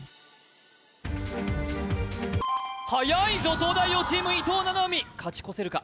はやいぞ東大王チーム伊藤七海勝ち越せるか？